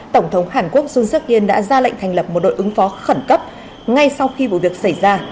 tổng thống hàn quốc jun seok in đã ra lệnh thành lập một đội ứng phó khẩn cấp ngay sau khi vụ việc xảy ra